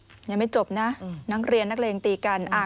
อืมยังไม่จบนะนักเรียนนักเรียนตีกัน